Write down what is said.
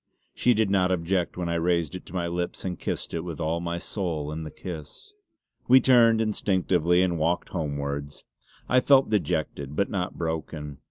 She did not object when I raised it to my lips and kissed it with all my soul in the kiss! We turned instinctively and walked homewards. I felt dejected, but not broken.